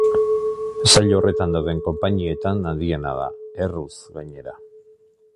Sail horretan dauden konpainietan handiena da, erruz, gainera.